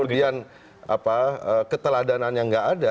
dan keteladanan yang enggak ada